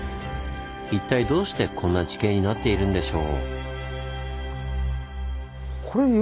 一体どうしてこんな地形になっているんでしょう？